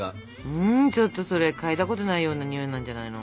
うんちょっとそれ嗅いだことないようなにおいなんじゃないの？